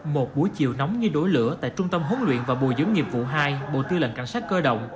một buổi chiều nóng như đổi lửa tại trung tâm huấn luyện và bùi dưỡng nghiệp vụ hai bộ tư lệnh cảnh sát cơ động